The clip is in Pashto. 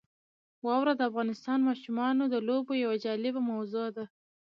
واوره د افغان ماشومانو د لوبو یوه جالبه موضوع ده.